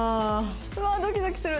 うわあドキドキする！